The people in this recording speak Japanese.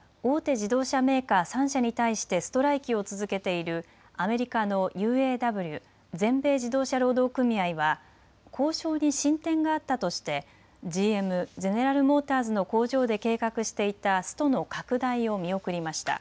自動車メーカー３社に対してストライキを続けているアメリカのＵＡＷ・全米自動車労働組合は交渉に進展があったとしてＧＭ・ゼネラル・モーターズの工場で計画していたストの拡大を見送りました。